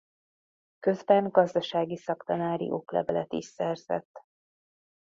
Közben gazdasági szaktanári oklevelet is szerzett.